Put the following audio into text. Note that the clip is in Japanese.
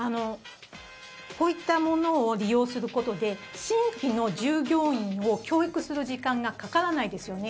こういったものを利用することで新規の従業員を教育する時間がかからないですよね。